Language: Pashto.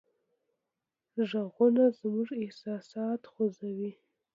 غږونه زموږ احساسات خوځوي.